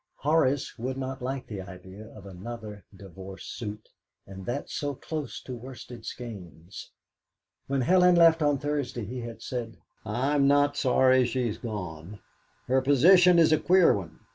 Horace would not like the idea of another divorce suit, and that so close to Worsted Skeynes. When Helen left on Thursday he had said: "I'm not sorry she's gone. Her position is a queer one.